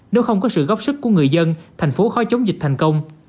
nếu không có sự góp sức của người dân thành phố khó chống dịch thành công